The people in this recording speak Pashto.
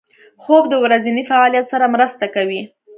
خوب د ورځني فعالیت سره مرسته کوي